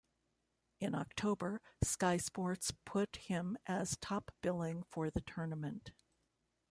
In October, Sky Sports put him as top billing for the tournament.